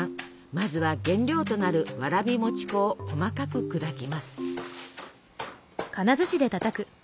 まずは原料となるわらび餅粉を細かく砕きます。